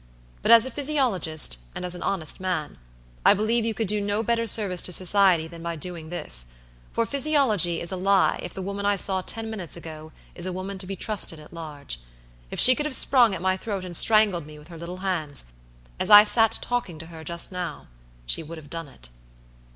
But as a physiologist and as an honest man, I believe you could do no better service to society than by doing this; for physiology is a lie if the woman I saw ten minutes ago is a woman to be trusted at large. If she could have sprung at my throat and strangled me with her little hands, as I sat talking to her just now, she would have done it."